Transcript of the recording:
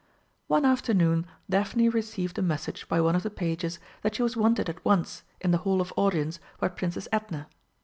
One afternoon Daphne received a message by one of the pages that she was wanted at once in the Hall of Audience by Princess Edna.